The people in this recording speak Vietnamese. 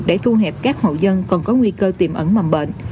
để thu hẹp các hộ dân còn có nguy cơ tiềm ẩn mầm bệnh